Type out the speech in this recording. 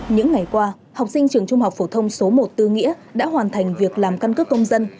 những ngày qua học sinh trường trung học phổ thông số một tư nghĩa đã hoàn thành việc làm căn cước công dân